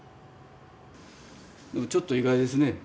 ちょっと意外ですね。